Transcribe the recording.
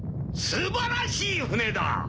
すばらしい船だ！